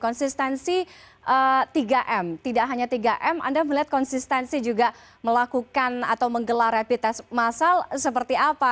konsistensi tiga m tidak hanya tiga m anda melihat konsistensi juga melakukan atau menggelar rapid test masal seperti apa